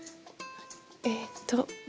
えっと。